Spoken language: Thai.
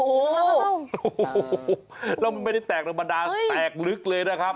โอ้โหแล้วมันไม่ได้แตกธรรมดาแตกลึกเลยนะครับ